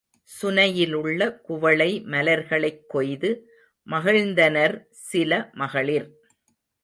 சுனையிலுள்ள குவளை மலர்களைக் கொய்து மகிழ்ந்தனர் சில மகளிர்.